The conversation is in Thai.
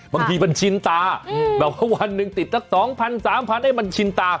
บางทีมันชินตาแบบว่าวันหนึ่งติดสัก๒๐๐๓๐๐ให้มันชินตา